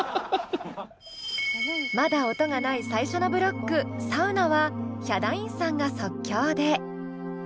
まだ音がない最初のブロック「サウナ」はヒャダインさんが即興で。